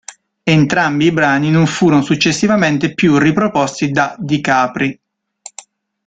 Entrambi i brani non furono successivamente più riproposti da Di Capri.